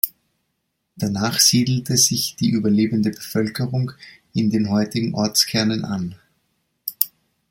Danach siedelte sich die überlebende Bevölkerung in den heutigen Ortskernen an.